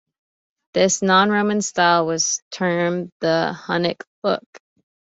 This non-Roman style was termed the 'Hunnic' look.